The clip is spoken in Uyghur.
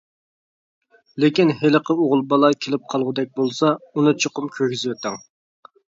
لېكىن، ھېلىقى ئوغۇل بالا كېلىپ قالغۇدەك بولسا، ئۇنى چوقۇم كىرگۈزۈۋېتىڭ.